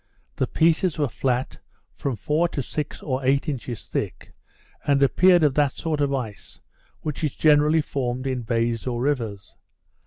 The pieces were flat, from four to six or eight inches thick, and appeared of that sort of ice which is generally formed in bays or rivers.